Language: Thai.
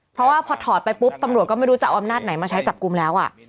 เพราะว่าพอถอดไปปุ๊บตำรวจก็ไม่รู้จะเอาอำนาจไหนมาใช้จับกลุ่มแล้ว